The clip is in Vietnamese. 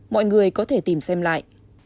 mọi người có thể tìm xem lại